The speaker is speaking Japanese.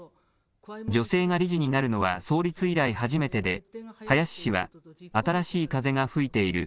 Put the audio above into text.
女性が理事になるのは創立以来初めてで、林氏は、新しい風が吹いている。